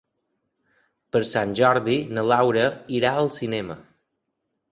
Per Sant Jordi na Laura irà al cinema.